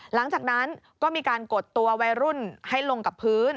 หลังจากนั้นก็มีการกดตัววัยรุ่นให้ลงกับพื้น